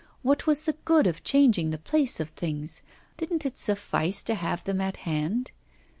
What was the good of changing the place of things? Didn't it suffice to have them at hand?